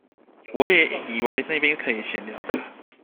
我也以為那邊可以閒聊